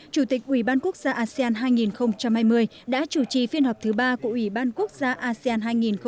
chủ tịch ủy ban quốc gia asean hai nghìn hai mươi đã chủ trì phiên họp thứ ba của ủy ban quốc gia asean hai nghìn hai mươi